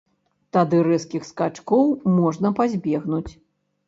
Тады рэзкіх скачкоў можна пазбегнуць.